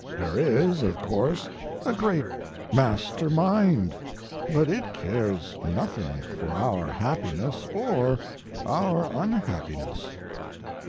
There is, of course, a great Master Mind, but it cares nothing for our happiness or our unhappiness."